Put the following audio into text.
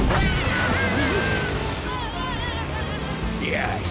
よし！